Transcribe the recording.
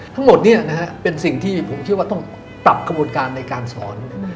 ทั้งหมดเนี่ยนะครับเป็นสิ่งที่ผมคิดว่าต้องปรับกระบวนการในการสอน